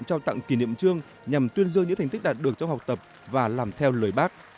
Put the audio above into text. trao tặng kỷ niệm trương nhằm tuyên dương những thành tích đạt được trong học tập và làm theo lời bác